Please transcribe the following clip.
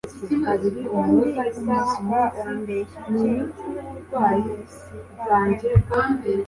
Ko ndi umuswa wambeshya iki mu skwa pe